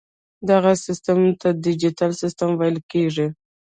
دغه سیسټم ته ډیجیټل سیسټم ویل کیږي.